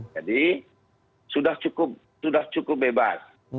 jadi sudah cukup bebas